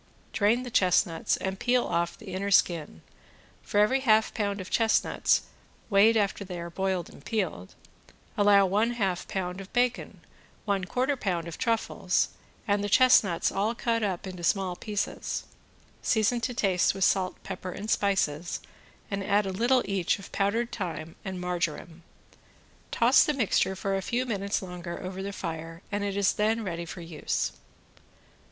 Drain the chestnuts and peel off the inner skin, for every half pound of chestnuts, weighed after they are boiled and peeled, allow one half pound of bacon, one quarter pound of truffles, and the chestnuts all cut up into small pieces; season to taste with salt, pepper and spices and add a little each of powdered thyme and marjoram; toss the mixture for a few minutes longer over the fire and it is then ready for use.